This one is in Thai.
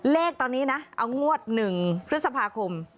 เลขตอนนี้นะเอางวด๑พฤษภาคม